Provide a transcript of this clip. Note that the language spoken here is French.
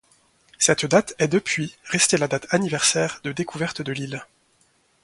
Cette date est depuis restée la date anniversaire de découverte de l'île.